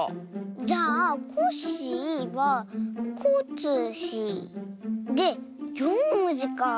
じゃあ「コッシー」は「コ」「ッ」「シ」「ー」で４もじかあ。